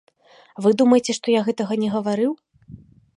Вы думаеце, што я гэтага не гаварыў?